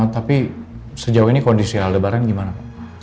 tapi sejauh ini kondisi aldebaran gimana pak